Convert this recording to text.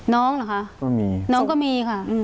น้องเหรอคะก็มีน้องก็มีค่ะอืม